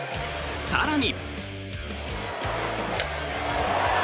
更に。